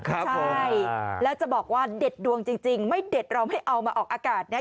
ใช่แล้วจะบอกว่าเด็ดดวงจริงไม่เด็ดเราไม่เอามาออกอากาศนะ